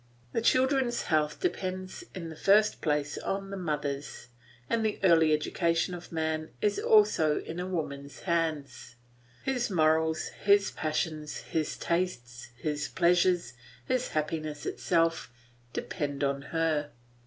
The children's health depends in the first place on the mother's, and the early education of man is also in a woman's hands; his morals, his passions, his tastes, his pleasures, his happiness itself, depend on her.